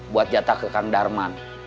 buat jatah ke kang darman